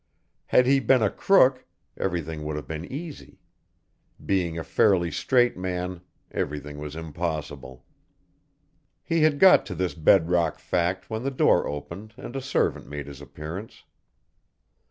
Had he been a crook, everything would have been easy; being a fairly straight man, everything was impossible. He had got to this bed rock fact when the door opened and a servant made his appearance.